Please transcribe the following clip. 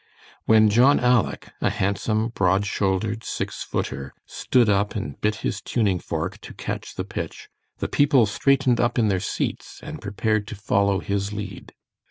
When John "Aleck," a handsome, broad shouldered, six footer, stood up and bit his tuning fork to catch the pitch, the people straightened up in their seats and prepared to follow his lead.